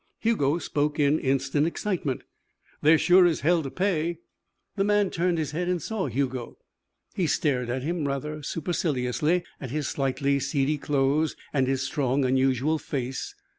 Hugo spoke in instant excitement. "There sure is hell to pay." The man turned his head and saw Hugo. He stared at him rather superciliously, at his slightly seedy clothes and his strong, unusual face.